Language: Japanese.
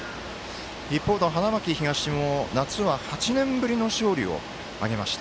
一方の花巻東も、夏は８年ぶりの勝利を挙げました。